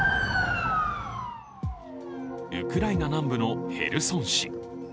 ウクライナ南部のヘルソン市。